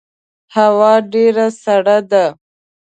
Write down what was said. هوا ډیره سړه ده